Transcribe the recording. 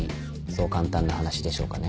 そう簡単な話でしょうかね。